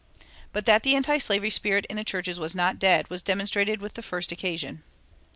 But that the antislavery spirit in the churches was not dead was demonstrated with the first occasion.